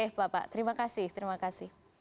oke pak terima kasih